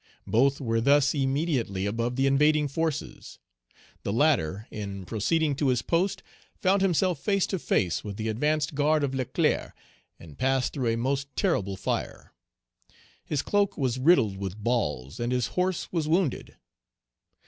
Both were thus immediately above the invading forces. The latter, in proceeding to his post, found himself face to face with the advanced guard of Leclerc, and passed through a most terrible fire. His cloak was riddled with balls, and his horse was wounded.